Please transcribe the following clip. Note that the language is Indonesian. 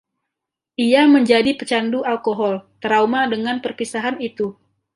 Ia menjadi pecandu alkohol, trauma dengan perpisahan itu.